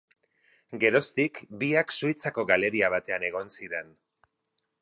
Geroztik biak Suitzako galeria batean egon ziren.